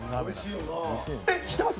えっ、知ってます？